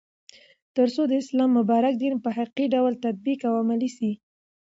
ترڅو د اسلام مبارک دين په حقيقي ډول تطبيق او عملي سي